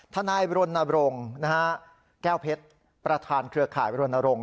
ทนายรณรงค์แก้วเพชรประธานเครือข่ายรณรงค